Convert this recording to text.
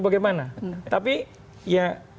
bagaimana tapi ya